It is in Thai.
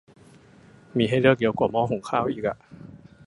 มีให้เลือกเยอะกว่าหม้อหุงข้าวอีกอะ